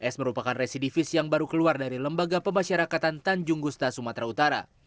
s merupakan residivis yang baru keluar dari lembaga pemasyarakatan tanjung gusta sumatera utara